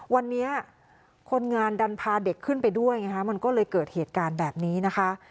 วันนี้คนงานดันพาเด็กขึ้นไปด้วยไงฮะมันก็เลยเกิดเหตุการณ์แบบนี้นะคะ